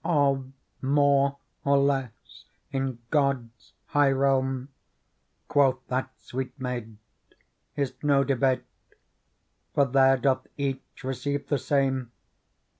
*' Of more or less in God's high realm," Quoth that sweet maid, " is no debate : For there doth each receive the same.